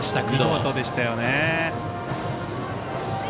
見事でしたよね。